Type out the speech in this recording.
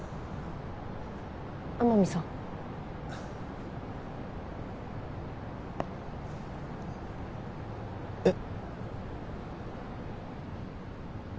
天海さんえっ！？